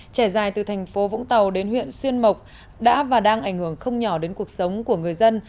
trải dài từ thành phố vũng tàu đến huyện xuyên mộc đã và đang ảnh hưởng không nhỏ đến cuộc sống của người dân